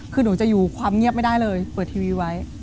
คือหนูจะอยู่ความเงียบไม่ได้เลยเปิดทีวีไว้